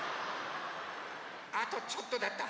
あとちょっとだった。